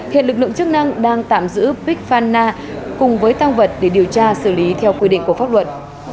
hiện lực lượng chức năng đang tạm giữ bích phan na cùng với tăng vật để điều tra xử lý theo quy định của pháp luật